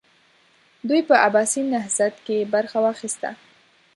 دوی په عباسي نهضت کې برخه واخیسته.